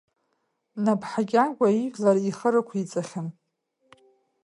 Наԥҳа Кьагәа ижәлар ихы рықиҵахьан.